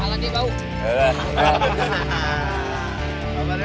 oke kita buktikan brother